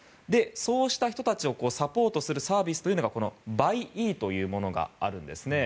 そうした人たちをサポートするサービスというのがこのＢｕｙｅｅというものがあるんですね。